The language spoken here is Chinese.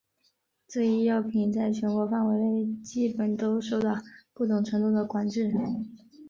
这一药品在全球范围内基本都受到不同程度的管制。